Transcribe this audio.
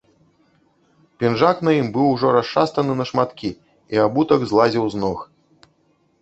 Пінжак на ім быў ужо расшастаны на шматкі, і абутак злазіў з ног.